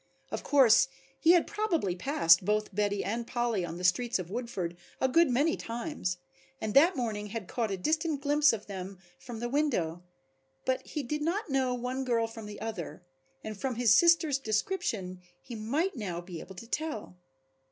Of course he had probably passed both Betty and Polly on the streets of Woodford a good many times and that morning had caught a distant glimpse of them from the window, but he did not know one girl from the other, and from his sister's description he might now be able to tell.